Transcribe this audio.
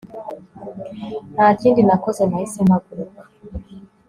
Ntakindi nakoze nahise mpaguruka